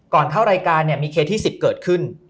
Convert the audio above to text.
ก่อนเท่ารายการมีเคสที่๑๐เกิดขึ้น